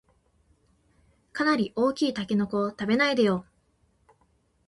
かなり大きいタケノコを食べないでよん